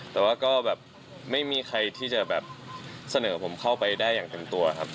แต่ว่าก็แบบไม่มีใครที่จะแบบเสนอผมเข้าไปได้อย่างเต็มตัวครับ